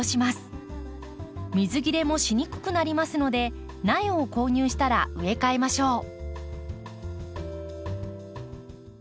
水切れもしにくくなりますので苗を購入したら植え替えましょう。